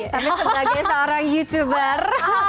tapi sebagai seorang youtuber